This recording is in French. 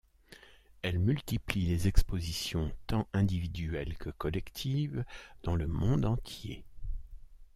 Elle multiplie les expositions, tant individuelles que collectives, dans le monde entier.